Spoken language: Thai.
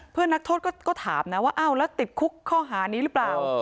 นักโทษก็ถามนะว่าอ้าวแล้วติดคุกข้อหานี้หรือเปล่า